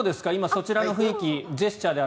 そちらの雰囲気ジェスチャーで。